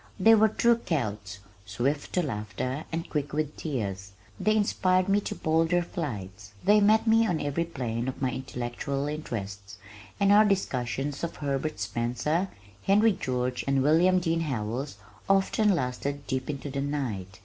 They were true Celts, swift to laughter and quick with tears; they inspired me to bolder flights. They met me on every plane of my intellectual interests, and our discussions of Herbert Spencer, Henry George, and William Dean Howells often lasted deep into the night.